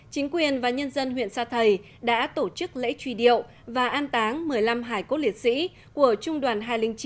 chính quyền và nhân dân huyện sa thầy đã tổ chức lễ truy điệu và an táng một mươi năm hải cốt liệt sĩ của trung đoàn hai trăm linh chín